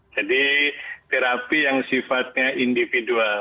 terapi yang sifatnya individual